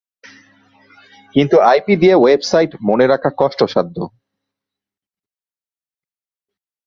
কিন্তু আইপি দিয়ে ওয়েবসাইট মনে রাখা কষ্টসাধ্য।